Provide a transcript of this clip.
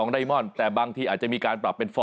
๔๔๒ไดมอนต์แต่บางที่อาจจะมีการปรับเป็น๔๙